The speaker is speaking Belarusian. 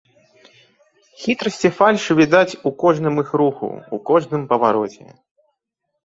Хітрасць і фальш відаць у кожным іх руху, у кожным павароце.